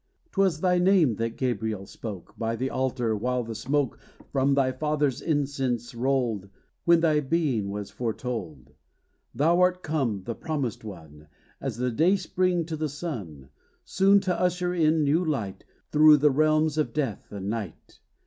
'T was thy name that Gabriel spoke, By the altar, while the smoke From thy father's incense rolled, When thy being was foretold! Thou art come, the promised one, As the dayspring to the sun, Soon to usher in new light Through the realms of death and night!